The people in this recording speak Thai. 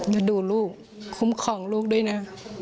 มาดูลูกคุ้มครองลูกด้วยนะ